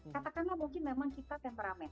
katakanlah mungkin memang kita temperamen